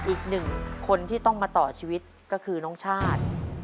อีกหนึ่งคนที่ต้องมาต่อชีวิตก็คือน้องชาติ